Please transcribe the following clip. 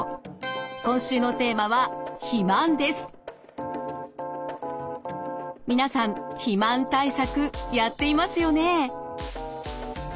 今週のテーマは皆さん肥満対策やっていますよね？